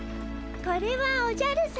これはおじゃるさま。